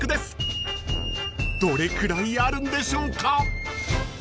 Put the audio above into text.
［どれくらいあるんでしょうか］